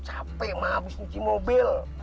capek mah abis ngeci mobil